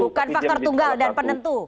bukan faktor tunggal dan penentu